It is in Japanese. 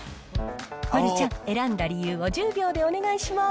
丸ちゃん、選んだ理由を１０秒でお願いします。